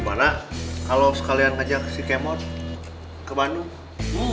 gimana kalau sekalian ajak si k mod ke bandung